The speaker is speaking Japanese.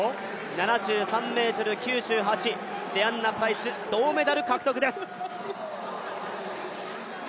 ７３ｍ９８、デアンナプライス銅メダル獲得です。